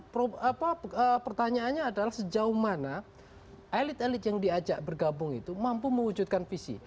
prof apa pertanyaannya adalah sejauh mana elit elit yang diajak bergabung itu mampu mewujudkan visi